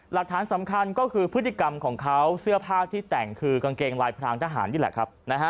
หลักฐานสำคัญก็คือพฤติกรรมของเขาเสื้อผ้าที่แต่งคือกางเกงลายพรางทหารนี่แหละครับ